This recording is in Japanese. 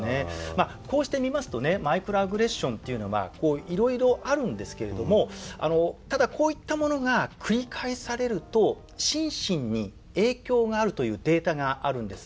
まあこうして見ますとねマイクロアグレッションっていうのはいろいろあるんですけれどもただこういったものが繰り返されると心身に影響があるというデータがあるんですね。